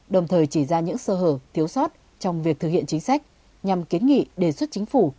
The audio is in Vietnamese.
đồng thời chỉ ra những sơ hở thiếu sót trong việc thực hiện chính sách nhằm kiến nghị đề xuất chính phủ